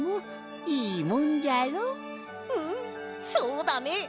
うんそうだね！